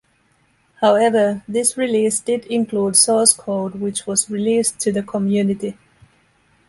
However, this release did include source code which was released to the community.